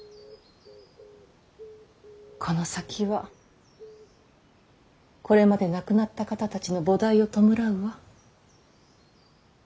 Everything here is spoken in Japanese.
この先はこれまで亡くなった方たちの菩提を弔うわ。